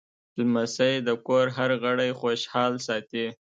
لمسی د کور هر غړی خوشحال ساتي.